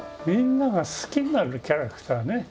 みんなが好きになるキャラクターね。